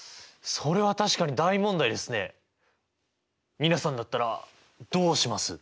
皆さんだったらどうします？